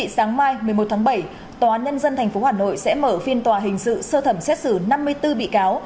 sáng mai một mươi một tháng bảy tòa nhân dân tp hà nội sẽ mở phiên tòa hình sự sơ thẩm xét xử năm mươi bốn bị cáo